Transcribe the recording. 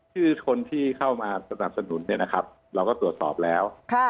ชื่อคนที่เข้ามาสนับสนุนเนี่ยนะครับเราก็ตรวจสอบแล้ว